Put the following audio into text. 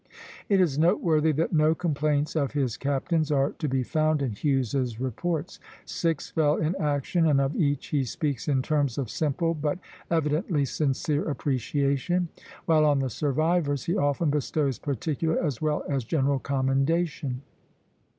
It is noteworthy that no complaints of his captains are to be found in Hughes's reports. Six fell in action, and of each he speaks in terms of simple but evidently sincere appreciation, while on the survivors he often bestows particular as well as general commendation.